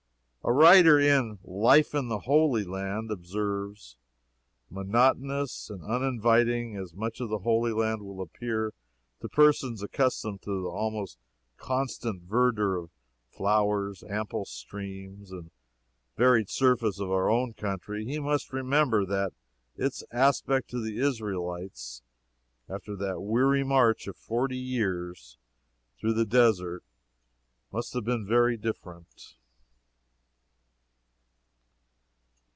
A writer in "Life in the Holy Land" observes: "Monotonous and uninviting as much of the Holy Land will appear to persons accustomed to the almost constant verdure of flowers, ample streams and varied surface of our own country, we must remember that its aspect to the Israelites after the weary march of forty years through the desert must have been very different."